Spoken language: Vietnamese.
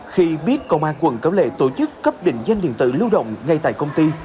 khi biết công an tp đà nẵng tổ chức cấp định danh điện tử lưu động ngay tại công ty